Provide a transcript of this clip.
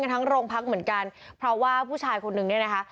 ทั้งโรงพักเหมือนกันเพราะว่าผู้ชายคนนึงเนี่ยนะคะ